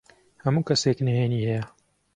هەموو کەسێک نهێنیی هەیە.